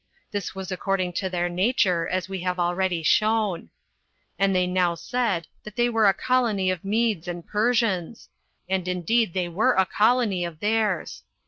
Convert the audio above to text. This was according to their nature, as we have already shown. And they now said that they were a colony of Medes and Persians; and indeed they were a colony of theirs.